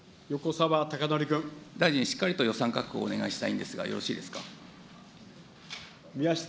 大臣、しっかりと予算確保をお願いしたいんですが、よろしいですか。